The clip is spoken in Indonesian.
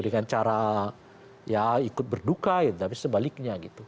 dengan cara ya ikut berduka tapi sebaliknya gitu